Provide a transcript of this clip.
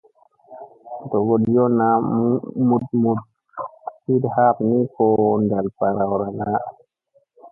Dogoɗ yo naa muɗmuɗ siiɗ happa ni ko ɗal ɓarawɗa naa.